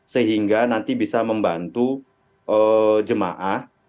sehingga nanti bisa membantu jemaah